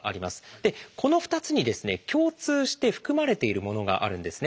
でこの２つにですね共通して含まれているものがあるんですね。